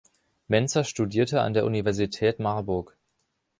Mentzer studierte an der Universität Marburg.